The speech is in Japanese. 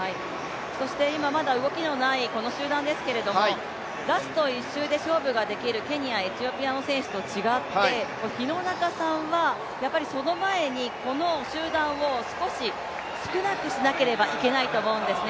今まだ動きのないこの集団ですけれども、ラスト１周で勝負ができるケニア、エチオピアの選手と違って廣中さんはその前にこの集団を少し少なくしなければいけないと思うんですね。